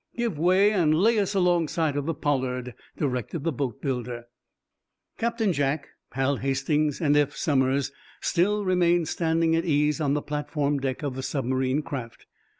"Give way, and lay us alongside of the 'Pollard,'" directed the boatbuilder. Captain Jack, Hal Hastings and Eph Somers still remained standing at ease on the platform deck of the submarine craft.